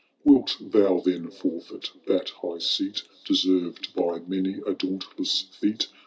Wilt thou then forfeit that high seat Deserved by many a dauntless feat.